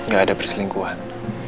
gak ada perselingkuhan